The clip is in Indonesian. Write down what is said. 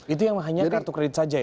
itu yang hanya kartu kredit saja ya